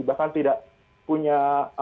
bahkan tidak punya